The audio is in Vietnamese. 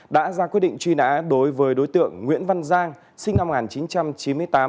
đã ra quyết định truy nã đối với đối tượng nguyễn văn giang sinh năm một nghìn chín trăm chín mươi tám